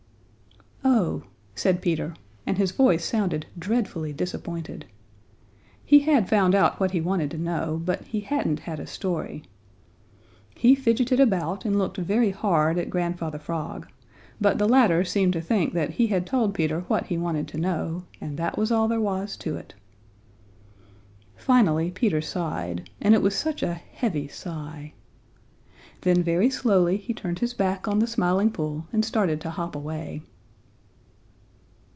"Oh," said Peter, and his voice sounded dreadfully disappointed. He had found out what he had wanted to know, but he hadn't had a story. He fidgeted about and looked very hard at Grandfather Frog, but the latter seemed to think that he had told Peter what he wanted to know, and that was all there was to it. Finally Peter sighed, and it was such a heavy sigh! Then very slowly he turned his back on the Smiling Pool and started to hop away.